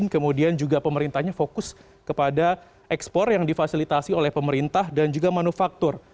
kemudian juga pemerintahnya fokus kepada ekspor yang difasilitasi oleh pemerintah dan juga manufaktur